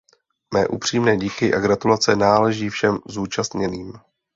Mé upřímné díky a gratulace náleží všem zúčastněným.